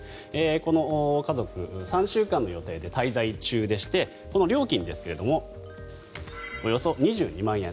この家族、３週間の予定で滞在中でしてこの料金ですがおよそ２２万円。